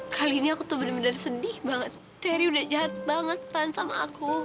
kali ini aku tuh bener bener sedih banget terry udah jahat banget pan sama aku